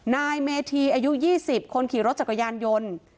นายเมธีอายุ๒๐คนขี่รถจักรยานยนต์